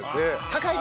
高い！